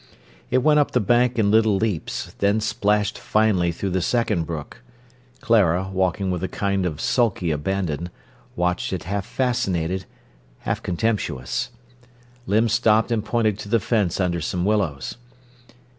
It went up the bank in little leaps, then splashed finely through the second brook. Clara, walking with a kind of sulky abandon, watched it half fascinated, half contemptuous. Limb stopped and pointed to the fence under some willows.